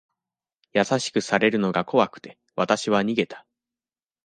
優しくされるのが怖くて、わたしは逃げた。